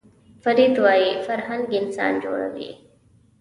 فروید وايي فرهنګ انسان جوړوي